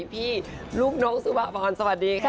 พี่ลูกน้องสุภาพรสวัสดีค่ะ